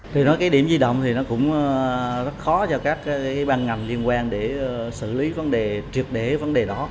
thì nói cái điểm di động thì nó cũng rất khó cho các ban ngành liên quan để xử lý vấn đề triệt để vấn đề đó